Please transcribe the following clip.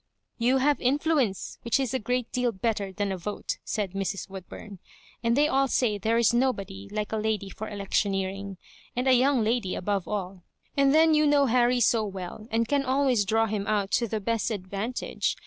"You have influence, which is a great deal better than a vote," said Mra "Woodbum; "and they all say there is nobody iike a lady for elec tion^ring — and a young lady above all ; and then you know Harry so well, and can always dravir him out to the best advantage.